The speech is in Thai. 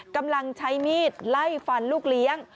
กำลังใช้มีดไล่ฟันลูกเลี้ยง